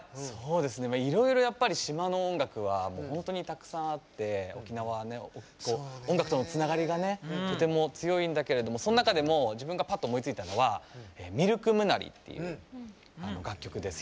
いろいろ島の音楽は本当にたくさんあって沖縄は、音楽とのつながりがねとても強いんだけれどもその中でも自分がぱっと思いついたのは「ミルクムナリ」っていう楽曲です。